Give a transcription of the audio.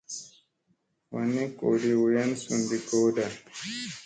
Wanni goodi wayan sundi gooda.